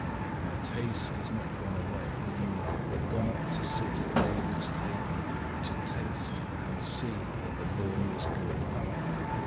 My taste is not gone away, but gone up to sit at David's table, to taste, and see, that the Lord is good.